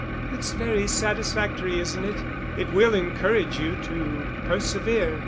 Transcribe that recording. "It's very satisfactory, isn't it? It will encourage you to persevere.